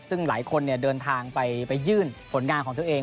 ซึ่งหลายคนเดินทางไปยื่นผลงานของตัวเอง